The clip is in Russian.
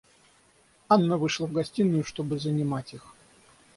Анна вышла в гостиную, чтобы занимать их.